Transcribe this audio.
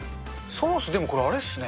ソース、でもあれっすね。